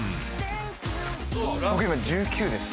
僕今１９です。